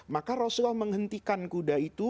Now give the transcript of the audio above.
maka rasulullah menghentikan kuda itu